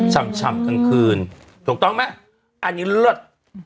ฉ่ำกลางคืนถูกต้องไหมอันนี้เลิศ